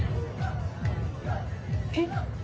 えっ？